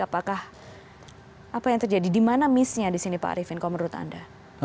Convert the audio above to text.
apakah apa yang terjadi di mana missnya di sini pak arifin kalau menurut anda